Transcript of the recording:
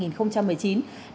đồng chí nguyễn thị hải yến nói